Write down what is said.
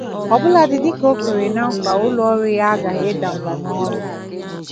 ọbụladị dịka o kwere nkwà na ụlọọrụ ya agaghị ada mbà n'ọrụ.